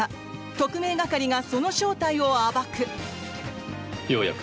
特命係がその正体を暴く！